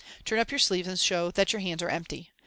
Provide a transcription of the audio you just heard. Turn up your sleeves, and show that your hands are empty.